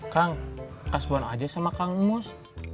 kang kasbon aja sama kang mus